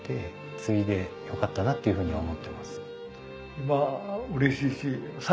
継いでよかったなっていうふうには思ってますね。